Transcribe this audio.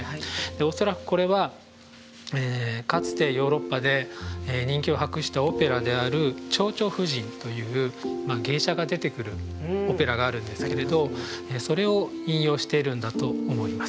恐らくこれはかつてヨーロッパで人気を博したオペラである「蝶々夫人」という芸者が出てくるオペラがあるんですけれどそれを引用しているんだと思います。